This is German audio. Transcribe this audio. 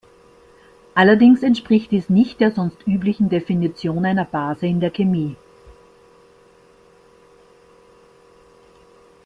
Allerdings entspricht dies nicht der sonst üblichen Definition einer Base in der Chemie.